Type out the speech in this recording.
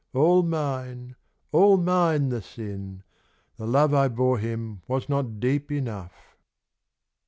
All mine, all mine the sin ; the love ire him was nol deep enough.'